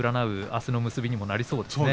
あすの結びにもなりそうですね。